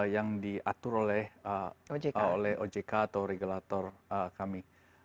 yang diatur oleh ojk atau regulator kami